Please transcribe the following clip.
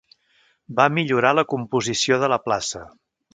Va millorar la composició de la plaça.